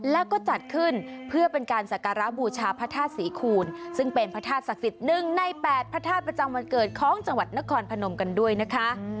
แล้วก็จัดขึ้นเพื่อเป็นการสักการะบูชาพระธาตุศรีคูณซึ่งเป็นพระธาตุศักดิ์สิทธิ์๑ใน๘พระธาตุประจำวันเกิดของจังหวัดนครพนมกันด้วยนะคะ